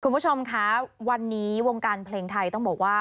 คุณผู้ชมคะวันนี้วงการเพลงไทยต้องบอกว่า